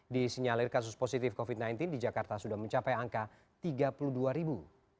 disinyalir kasus positif covid sembilan belas di jakarta sudah mencapai angka tiga puluh dua ribu